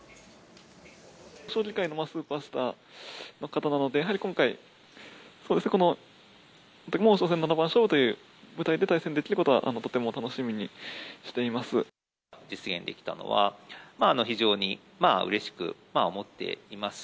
将棋界のスーパースターの方なので、やはり今回、そうですね、この王将戦七番勝負という舞台で対戦できることは、とても楽しみ実現できたのは、非常にうれしく思っています。